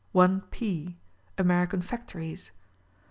IP. American Factories.